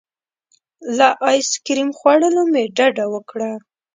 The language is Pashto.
له ایس کریم خوړلو مې ډډه وکړه.